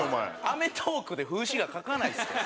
『アメトーーク』で風刺画描かないですから。